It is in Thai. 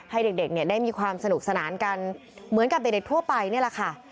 ให้เด็กได้มีความสนุกสนานกันเหมือนกับเด็กทั่วไปนี่แหละค่ะ